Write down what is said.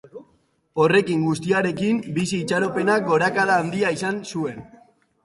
Horrekin guztiarekin, bizi-itxaropenak gorakada handia izan zuen.